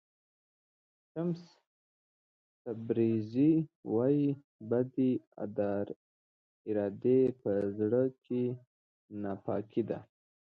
شمس تبریزي وایي بدې ارادې په زړه کې ناپاکي ده.